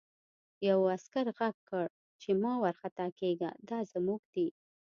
یوه عسکر غږ کړ چې مه وارخطا کېږه دا زموږ دي